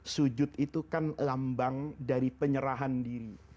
sujud itu kan lambang dari penyerahan diri